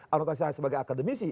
anotasi saya sebagai akademisi